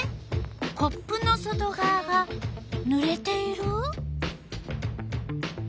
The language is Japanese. コップの外がわがぬれている？